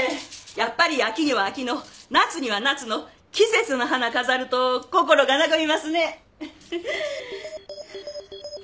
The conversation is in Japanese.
やっぱり秋には秋の夏には夏の季節の花飾ると心が和みますね。